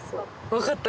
分かった？